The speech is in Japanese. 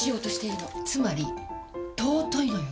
つまり尊いのよ！